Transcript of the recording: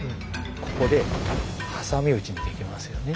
ここで挟み撃ちにできますよね。